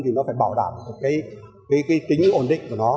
thì nó phải bảo đảm được cái tính ổn định của nó